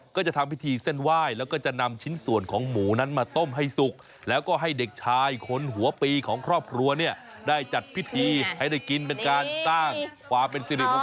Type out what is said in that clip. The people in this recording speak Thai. ก็จะทำพิธีเส้นไหว้แล้วก็จะนำชิ้นส่วนของหมูนั้นมาต้มให้สุกแล้วก็ให้เด็กชายคนหัวปีของครอบครัวเนี่ยได้จัดพิธีให้ได้กินเป็นการสร้างความเป็นสิริมงคล